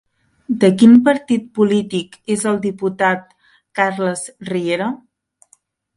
De quin partit polític és el diputat Carles Riera?